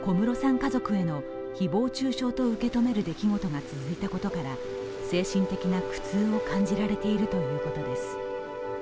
家族への誹謗中傷と受け止める出来事が続いたことから精神的な苦痛を感じられているということです。